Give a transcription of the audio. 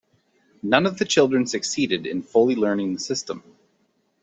None of the children succeeded in fully learning the system.